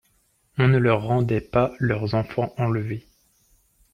On ne leur rendait pas leurs enfants enlevés.